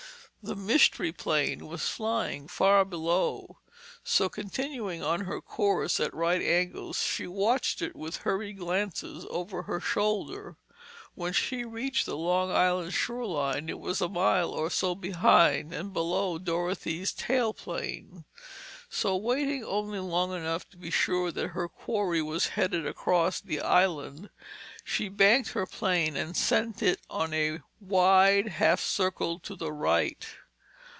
The Mystery Plane was flying far below, so continuing on her course at right angles, she watched it with hurried glances over her shoulder. When she reached the Long Island Shore line, it was a mile or so behind and below Dorothy's tailplane. So waiting only long enough to be sure that her quarry was headed across the Island, she banked her plane and sent it on a wide half circle to the right.